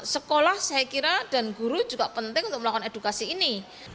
sekolah saya kira dan guru juga penting untuk melakukan edukasi ini